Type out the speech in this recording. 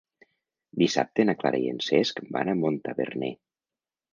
Dissabte na Clara i en Cesc van a Montaverner.